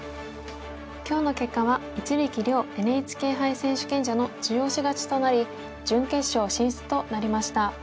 今日の結果は一力遼ＮＨＫ杯選手権者の中押し勝ちとなり準決勝進出となりました。